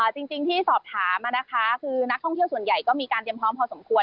จริงที่สอบถามนะคะคือนักท่องเที่ยวส่วนใหญ่ก็มีการเตรียมพร้อมพอสมควร